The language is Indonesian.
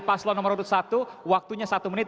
paslo nomor dua puluh satu waktunya satu menit